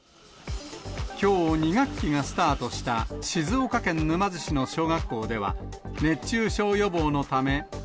きょう、２学期がスタートした静岡県沼津市の小学校では、熱中症予防のため。